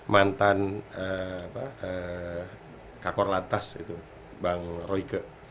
mantan kakor lantas itu bang royke